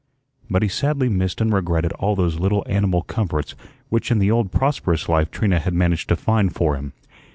But he sadly missed and regretted all those little animal comforts which in the old prosperous life Trina had managed to find for him.